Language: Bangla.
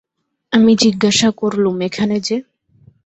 আমি জিজ্ঞাসা করলুম, এখানে যে?